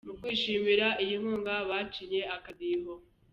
Mu kwishimira iyi nkunga bacinye akadiho.